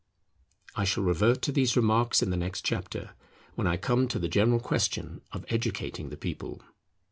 I shall revert to these remarks in the next chapter, when I come to the general question of educating the People.